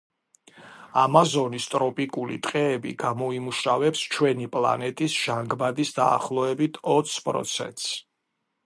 ამაზონის ტროპიკული ტყეები გამოიმუშავებს ჩვენი პლანეტის ჟანგბადის დაახლოებით ოც პროცენტს.